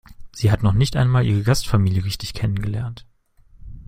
Sie hat noch nicht einmal ihre Gastfamilie richtig kennengelernt.